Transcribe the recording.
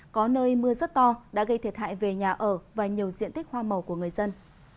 có nơi mưa rất to đã gây thiệt hại về nhà ở và nhiều diện tích hoa màu của người dân